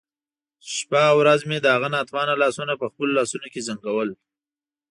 شپه او ورځ مې د هغه ناتوانه لاسونه په خپلو لاسو کې زنګول.